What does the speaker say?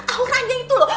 aurangnya itu loh